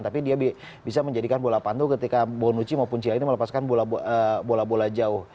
tapi dia bisa menjadikan bola pantul ketika bonucci maupun cialini melepaskan bola bola jauh